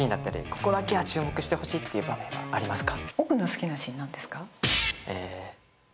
ここだけは注目してほしいっていう場面はありますか？